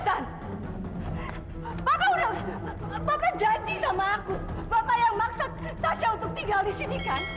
bapak udah bapak janji sama aku bapak yang maksa tasya untuk tinggal disini kan